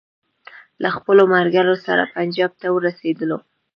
له خپلو ملګرو سره پنجاب ته ورسېدلو.